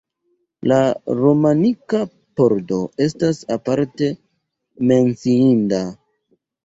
La romanika pordo estas aparte menciinda.